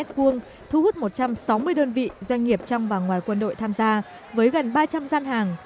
thu hút một trăm sáu mươi đơn vị doanh nghiệp trong và ngoài quân đội tham gia với gần ba trăm linh gian hàng